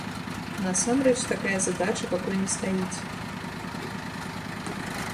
Насамрэч такая задача пакуль не стаіць.